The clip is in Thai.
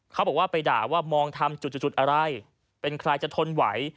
เขาบอกว่าไปด่าว่ามองทำจุดอะไรเป็นใครจะทนไหว